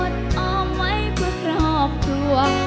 ออมไว้เพื่อครอบครัว